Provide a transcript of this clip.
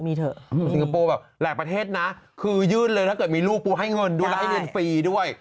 มีเถอะสิงคโปร์แบบหลายประเทศนะคือยื่นเลยถ้าเกิดมีลูกปูให้เงินดูแลให้เรียนฟรีด้วย